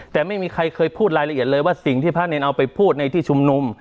แต่ไม่มีใครเคยพูดรายละเอียดเลยว่าสิ่งที่พระเนรเอาไปพูดในที่ชุมนุม